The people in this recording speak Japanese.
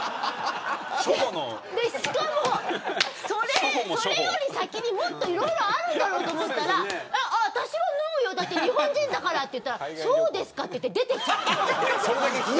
しかも、それより先にもっといろいろあるんだろうと思ったら私は脱ぐよ、日本人だからと言ったらそうですかと言って出て行っちゃった。